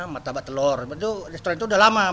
matabat telur restoran itu udah lama